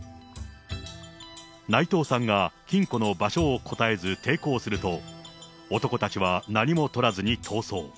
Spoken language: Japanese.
内藤さんが金庫の場所を答えず抵抗すると、男たちは何もとらずに逃走。